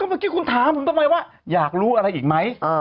เมื่อกี้คุณถามผมทำไมว่าอยากรู้อะไรอีกไหม